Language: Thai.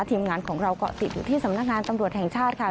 ทีมงานของเราก็ติดอยู่ที่สำนักงานตำรวจแห่งชาติค่ะ